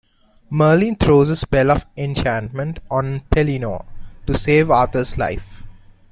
Merlin throws a spell of enchantment on Pellinore to save Arthur's life.